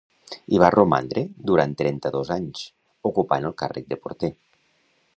Hi va romandre durant trenta-dos anys, ocupant el càrrec de porter.